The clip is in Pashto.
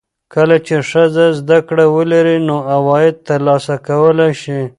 کله چې ښځه زده کړه ولري، نو عواید ترلاسه کولی شي.